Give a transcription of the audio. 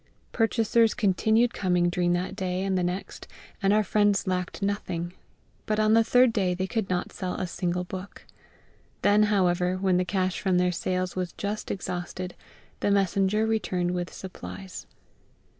Purchasers continued coming during that day and the next, and our friends lacked nothing; but on the third day they could not sell a single book. Then, however, when the cash from their sales was just exhausted, the messenger returned with supplies.